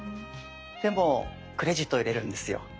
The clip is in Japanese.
でもクレジットを入れるんですよ。